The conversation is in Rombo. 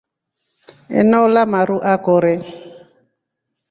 Eneola maru ekora.